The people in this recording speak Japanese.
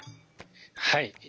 はい。